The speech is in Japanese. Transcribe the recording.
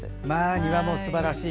庭もすばらしい。